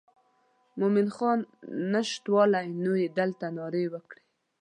مومن خان نشتوالی نو یې دلته نارې وکړې.